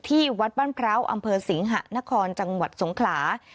ที่วัดบ้านพร้าวอำเภอสิงหะนครจังหวัดสงขลา